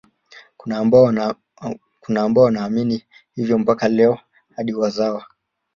Kuna ambao wanaamini hivyo mpaka leo hadi wazawa